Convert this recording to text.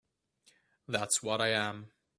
That's what I am.